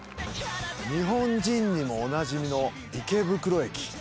日本人にもおなじみの池袋駅。